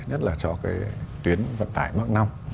nhất là cho tuyến vận tải mạng năm